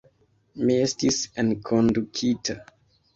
Mi estis enkondukita.